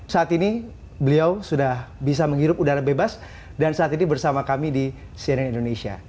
saat ini beliau sudah bisa menghirup udara bebas dan saat ini bersama kami di cnn indonesia